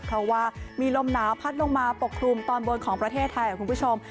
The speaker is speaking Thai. เพราะว่ามีลมหนาวพัดลงมาปกครุมตอนบนของประเทศไทยคุณผู้ชม